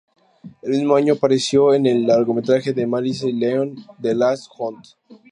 El mismo año apareció en el largometraje de Maryse León "The Last Hunt".